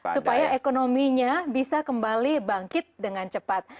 supaya ekonominya bisa kembali bangkit dengan cepat